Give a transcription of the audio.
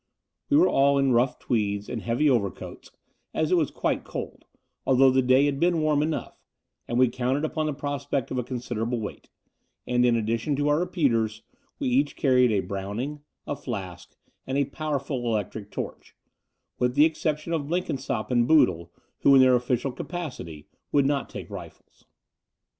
We were all in rough tweeds and heavy overcoats, as it was quite cold, although the day had been warm enough, and we counted upon the prospect of a considerable wait: and, in addition to our repeaters, we each carried a Browning, a flask, and a powerful electric torch — ^with the exception of Blenkinsopp and Boodle, who, in their official capacity, would not take rifles.